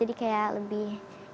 jadi kayak lebih